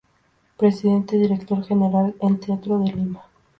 Presidente Director General en Teatro de Lima.